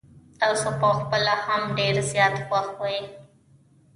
تاسو په خپله هم ډير زيات خوښ وې.